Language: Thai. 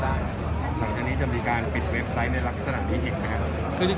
ท่านเช่นนี้จะมีการปิดเว็บไซต์ในลักษณะนี้เห็นมัโยค้ะ